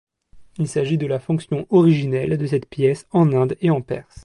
Il s’agit de la fonction originelle de cette pièce en Inde et en Perse.